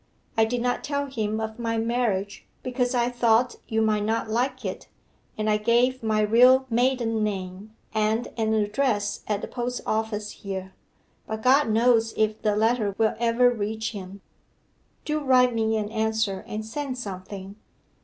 I did not tell him of my marriage, because I thought you might not like it, and I gave my real maiden name, and an address at the post office here. But God knows if the letter will ever reach him. 'Do write me an answer, and send something.